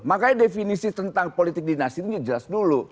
makanya definisi tentang politik dinasti itu jelas dulu